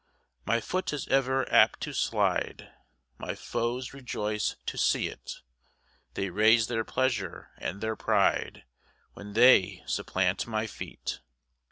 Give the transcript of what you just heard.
8 [My foot is ever apt to slide, My foes rejoice to see't; They raise their pleasure and their pride When they supplant my feet.